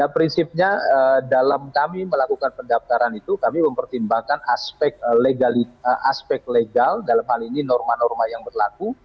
prinsipnya dalam kami melakukan pendaftaran itu kami mempertimbangkan aspek legal dalam hal ini norma norma yang berlaku